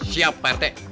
siap pak rt